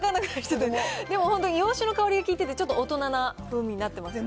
でも洋酒の香りが効いてて、ちょっと大人な風味になっていますよね。